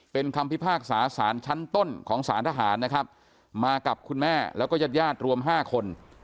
เป็นคำพิพากษาสารชั้นต้นของสารทหารนะครับมากับคุณแม่แล้วก็ญาติญาติรวมห้าคน